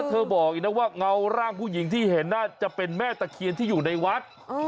เธอบอกอีกนะว่าเงาร่างผู้หญิงที่เห็นน่าจะเป็นแม่ตะเคียนที่อยู่ในวัด